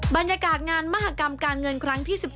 บรรยากาศงานมหากรรมการเงินครั้งที่๑๒